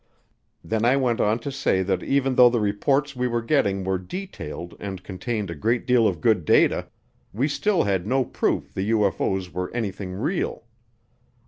Then I went on to say that even though the reports we were getting were detailed and contained a great deal of good data, we still had no proof the UFO's were anything real.